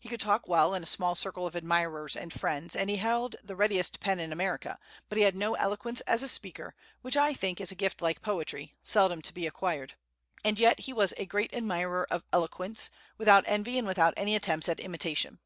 He could talk well in a small circle of admirers and friends, and he held the readiest pen in America, but he had no eloquence as a speaker, which, I think, is a gift like poetry, seldom to be acquired; and yet he was a great admirer of eloquence, without envy and without any attempts at imitation.